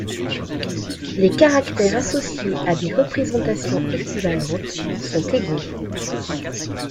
Les caractères associés à des représentations équivalentes sont égaux.